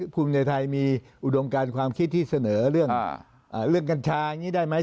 ภูมิใจไทยมีอุดมการความคิดที่เสนอเรื่องกัญชาอย่างนี้ได้ไหม